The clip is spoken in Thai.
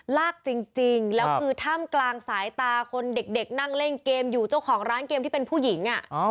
ลากจริงแล้วคือถ้ำกลางสายตาคนเด็กนั่งเล่นเกมอยู่เจ้าของร้านเกมที่เป็นผู้หญิง